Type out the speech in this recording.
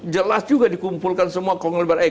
jelas juga dikumpulkan semua kolonial barat